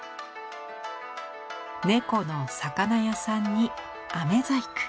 猫の魚屋さんに飴細工。